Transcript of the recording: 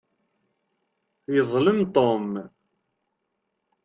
Yeḍlem Tom.